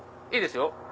いいですよ。